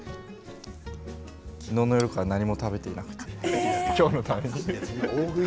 昨日の夜から何も食べていなくて今日のために。